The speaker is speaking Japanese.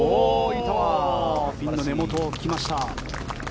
ピンの根元に置きました。